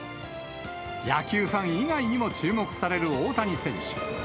野球ファン以外にも注目される大谷選手。